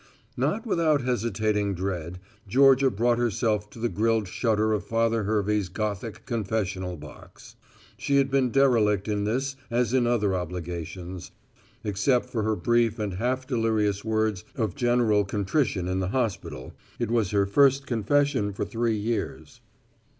Not without hesitating dread Georgia brought herself to the grilled shutter of Father Hervey's Gothic confessional box. She had been derelict in this as in other obligations; except for her brief and half delirious words of general contrition in the hospital, it was her first confession for three years.